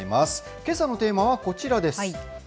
けさのテーマはこちらです。